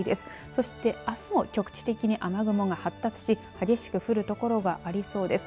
そしてあすも局地的に雨雲が発生し局地的に強く降る所がありそうです。